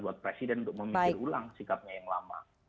buat presiden untuk memikir ulang sikapnya yang lama